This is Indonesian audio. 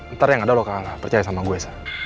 ntar yang ada lo kagak kagak percaya sama gue sa